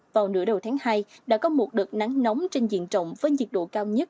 vào nửa đầu tháng hai đã có một đợt nắng nóng trên diện rộng với nhiệt độ cao nhất